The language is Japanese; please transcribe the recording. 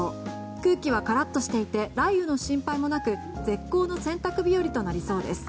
空気はカラッとしていて雷雨の心配もなく絶好の洗濯日和となりそうです。